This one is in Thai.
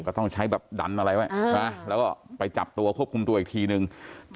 มันใช้ดันอะไรไว้แล้วก็ไปจับตัวควบคุมตัวอีกทีหนึ่ง